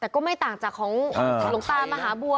ก็ไม่ต่างจากของรุงตรมาหาบัว